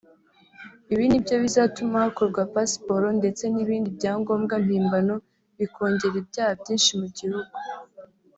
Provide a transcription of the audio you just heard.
ibi nibyo bizatuma hakorwa pasiporo ndetse n’ibindi byangombwa mpimbano bikongera ibyaha byinshi mu gihugu”